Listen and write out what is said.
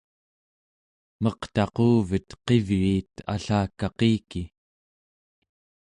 meqtaquvet qivyuit allakaqiki